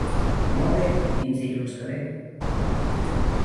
Molt bé; fins dilluns que ve.